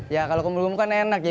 ya kalau kumpul kumpul kan enak ya